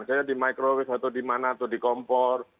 sebenarnya di microwave atau di mana atau di kompor